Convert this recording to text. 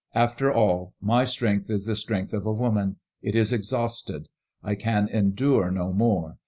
After all, my strength is the strength of a woman. It is exhausted. I can endure no more.